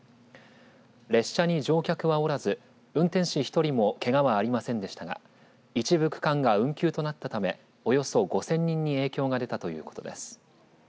列車に乗客はおらず運転士１人もけがはありませんでしたが一部区間が運休となったためおよそ５０００人に影響が出たということです。